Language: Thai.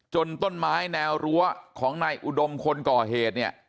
ต้นไม้แนวรั้วของนายอุดมคนก่อเหตุเนี่ย